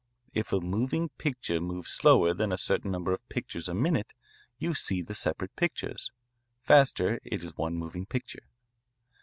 If a moving picture moves slower than a certain number of pictures a minute you see the separate pictures; faster it is one moving picture.